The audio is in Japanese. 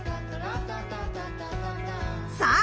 さあ